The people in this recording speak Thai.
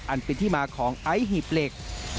อันเป็นที่มาของไอซ์หีบเหล็ก